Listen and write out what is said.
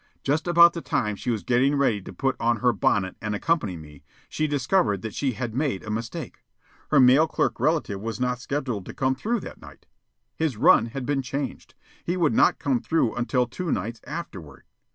Just about the time she was getting ready to put on her bonnet and accompany me, she discovered that she had made a mistake. Her mail clerk relative was not scheduled to come through that night. His run had been changed. He would not come through until two nights afterward.